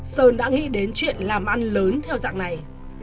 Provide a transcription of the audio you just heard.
sơn đã nghĩ đến chuyện làm ăn lớn theo dạng này